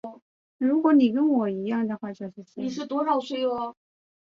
以及巴布亚新几内亚最大的村庄哈努阿巴达渔村。